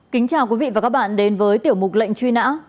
kính chào quý vị và các bạn đến với tiểu mục lệnh truy nã